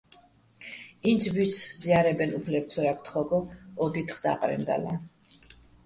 ინცბუჲსო̆ ზია́რებეჼ უფლებ ცო ჲაგე̆ თხო́გო ო დითხ და́ყრენდალლა.